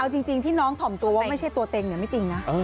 เอาจริงที่น้องถ่อมตัวว่าไม่ใช่ตัวเต็งไม่จริงนะ